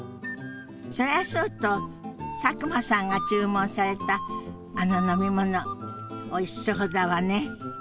それはそうと佐久間さんが注文されたあの飲み物おいしそうだわね。